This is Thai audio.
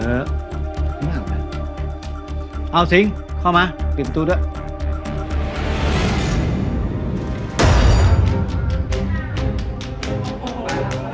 เอาสิงเข้ามาปิดประตูด้วย